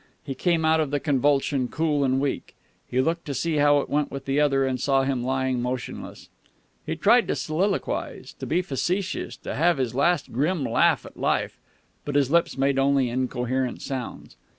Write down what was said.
He came out of the convulsion cool and weak. He looked to see how it went with the other, and saw him lying motionless. He tried to soliloquize, to be facetious, to have his last grim laugh at life, but his lips made only incoherent sounds.